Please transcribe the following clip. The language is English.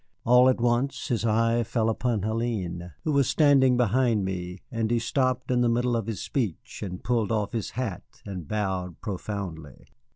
All at once his eye fell upon Hélène, who was standing behind me, and he stopped in the middle of his speech and pulled off his hat and bowed profoundly.